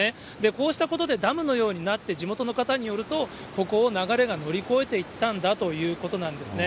こうしたことでダムのようになって、地元の方によると、ここを流れが乗り越えていったんだということなんですね。